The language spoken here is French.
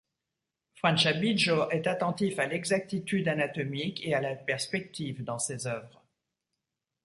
Franciabigio est attentif à l'exactitude anatomique et à la perspective dans ses œuvres.